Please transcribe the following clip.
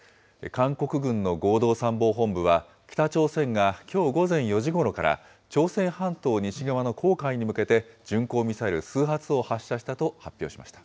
韓国軍の合同参謀本部は、北朝鮮がきょう午前４時ごろから、朝鮮半島西側の黄海に向けて、巡航ミサイル数発を発射したと発表しました。